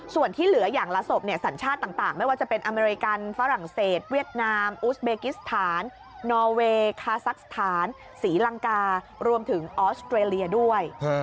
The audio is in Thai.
ส่วนที่เหลืออย่างละศพสัญชาติต่างไม่ว่าจะเป็นอเมริกันฝรั่งเศสเวียดนามอุสเบกิสถานนอเวย์คาซักสถานศรีลังการวมถึงออสเตรเลียด้วย